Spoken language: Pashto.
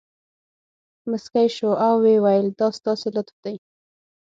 مسکی شو او ویې ویل دا ستاسې لطف دی.